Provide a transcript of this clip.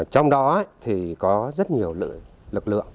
trong đó có rất nhiều lực lượng